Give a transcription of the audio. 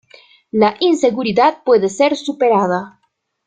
La inseguridad puede ser superada.